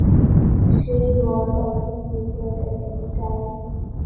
She was also featured in "InStyle".